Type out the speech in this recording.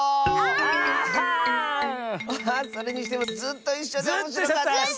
あそれにしてもずっといっしょでおもしろかったッス！